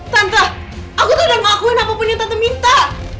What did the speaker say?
tante aku sudah mengakuin apapun yang tante minta